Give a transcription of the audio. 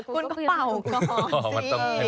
คุณก็เป่าก่อน